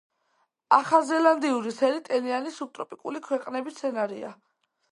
ახალზელანდიური სელი ტენიანი სუბტროპიკული ქვეყნების მცენარეა.